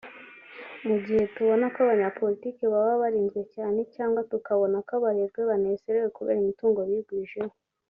Mu gihe tubona ko abanyapolitke baba barinzwe cyane cg tukabona ko abaherwe banezerewe kubera imitungo bigwijeho